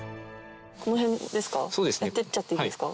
この辺ですか？